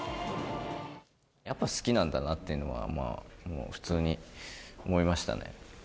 やっぱ好きなんだなというのは、普通に思いましたね。